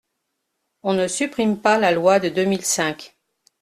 On ne supprime pas la loi de deux mille cinq.